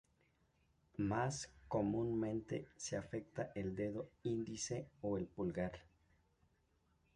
Más comúnmente se afecta el dedo índice o el pulgar.